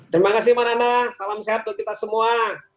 terima kasih pak rana salam sehat untuk kita semua